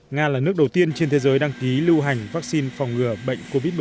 nga là nước đầu tiên trên thế giới đăng ký lưu hành vaccine phòng ngừa bệnh covid một mươi chín